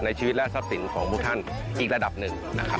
ชีวิตและทรัพย์สินของพวกท่านอีกระดับหนึ่งนะครับ